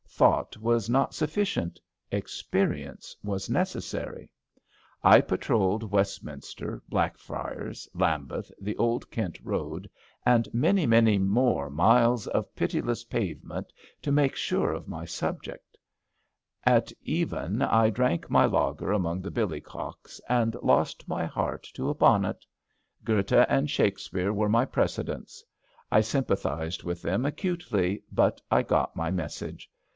Thought was not sujfficient; experience was necessary. I patrolled Westminster, Blackfriars, Lambeth, the Old Kent Boad, and many, many more miles of pitiless pave ment to make sure of my subject. At even I drank my lager among the billycocks, and lost MY GREAT AND ONLY 267 mj heart to a bonnet. Goethe and Shakespeare were my precedents. I sympathised with them acutely, but I got my Message.